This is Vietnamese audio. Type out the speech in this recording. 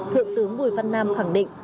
thượng tướng vui văn nam khẳng định